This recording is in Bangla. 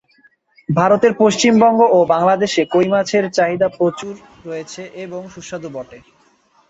ভারতের পশ্চিমবঙ্গ ও বাংলাদেশে কই মাছের প্রচুর চাহিদা রয়েছে এবং সুস্বাদু বটে।